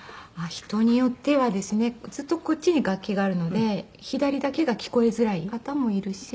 人によってはですねずっとこっちに楽器があるので左だけが聞こえづらい方もいるし